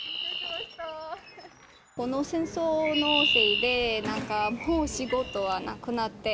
この戦争のせいで、なんか、仕事なくなって。